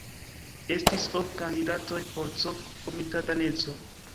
Estis ok kandidatoj por C-komitataneco.